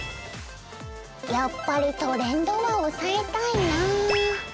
やっぱりトレンドは押さえたいな。